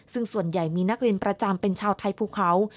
ซึ่งส่วนใหญ่มีนักเรียนประจำเป็นชาวไทยภูเขา